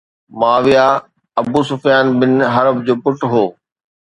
معاويه Abu Sufyan bin Harb جو پٽ هو